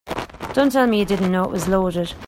Don't tell me you didn't know it was loaded.